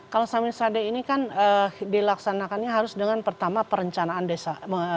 kalau samisade ini kan dilaksanakannya harus dengan pertama perencanaan desa